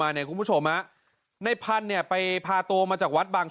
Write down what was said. เนี่ยคุณผู้ชมฮะในพันธุ์เนี่ยไปพาตัวมาจากวัดบาง